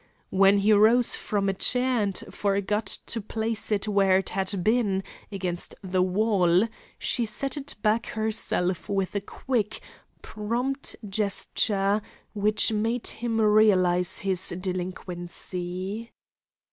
When he rose from a chair and forgot to place it where it had been, against the wall, she set it back herself with a quick, prompt gesture, which made him realise his delinquency.